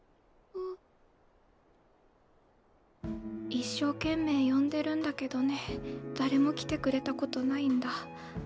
一生懸命呼んでるんだけどね誰も来てくれたことないんだ。